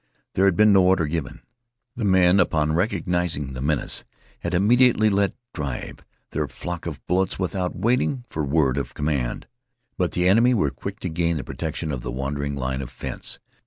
There had been no order given; the men, upon recognizing the menace, had immediately let drive their flock of bullets without waiting for word of command. But the enemy were quick to gain the protection of the wandering line of fence.